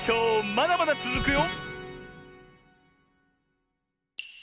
まだまだつづくよ！